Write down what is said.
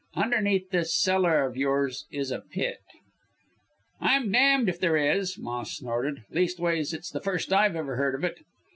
Underneath this cellar of yours, is a pit.' "'I'm damned if there is!' Moss snorted; 'leastways, it's the first I've ever heard of it.'